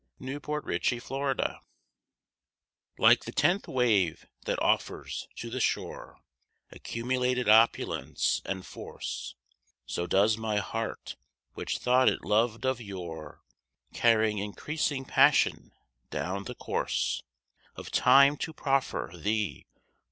A MAN'S LAST LOVE Like the tenth wave, that offers to the shore Accumulated opulence and force, So does my heart, which thought it loved of yore, Carry increasing passion down the course Of time to proffer thee.